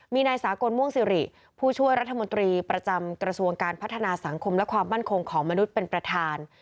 มีนายสากลม่วงสิริผู้ช่วยรัฐมนตรีประจำกระทรวงการพัฒนาสังคมและความมั่นคงของมนุษย์เป็นประธาน